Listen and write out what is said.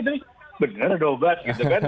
benar ada obat